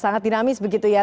sangat dinamis begitu ya